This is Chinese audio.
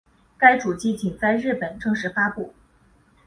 该主机仅在日本正式发布。